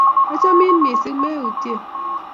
Achamin missing', me utye.